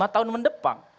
lima tahun mendepan